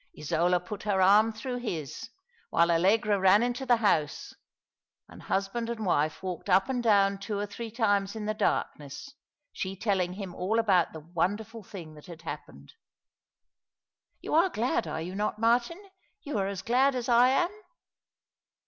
Isola put her arm through his, while Allcgra ran into the house, and husband and wife walked up and down two or three times in the darkness, she telling him all about the wonderful thing that had happened. " You are glad, are you not, Martin ? You arc as glad as lam?'